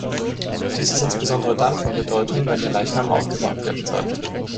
Dies ist insbesondere dann von Bedeutung, wenn der Leichnam aufgebahrt werden soll.